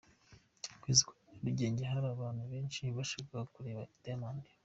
Ku isoko rya Nyarugenge hari abantu benshi bashakaga kureba Diamond.